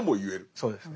そうですね。